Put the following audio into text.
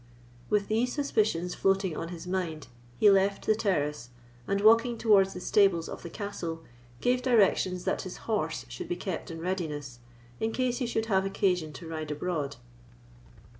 With these suspicions floating on his mind, he left the terrace, and walking towards the stables of the castle, gave directions that his horse should be kept in readiness, in case he should have occasion to ride abroad.